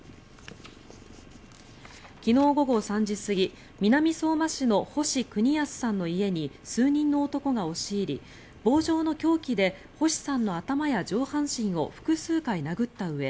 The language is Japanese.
昨日午後３時過ぎ南相馬市の星邦康さんの家に数人の男が押し入り棒状の凶器で星さんの頭や上半身を複数回殴ったうえ